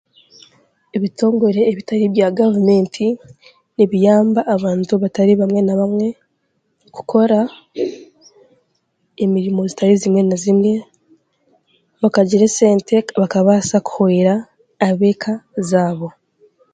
Ebitongore ebitari bya gavumenti, nibiyamba abantu batari bamwe na bamwe, kukora emirimo zitari zimwe na zimwe, bakagira esente bakabaasa kuhwera abeeka zaabo.